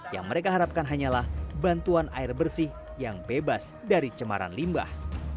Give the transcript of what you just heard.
yang mereka harapkan hanyalah bantuan air bersih yang bebas dari cemaran limbah